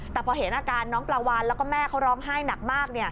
แต่พอเห็นอาการน้องปลาวานแล้วก็แม่เขาร้องไห้หนักมาก